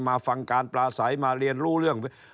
มาฟังการปลาใสมาเรียนรู้เรื่อง